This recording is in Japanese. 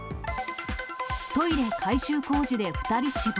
トイレ改修工事で２人死亡。